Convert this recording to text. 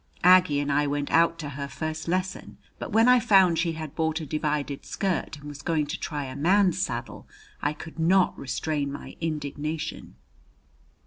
Aggie and I went out to her first lesson; but when I found she had bought a divided skirt and was going to try a man's saddle, I could not restrain my indignation.